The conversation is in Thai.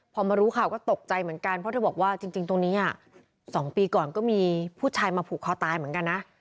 พอมารู้ข่าวก็ตกใจเหมือนกันเพราะเธอบอกว่าจริงตรงนี้๒ปีก่อนก็มีผู้ชายมาผูกคอตายเหมือนกันนะ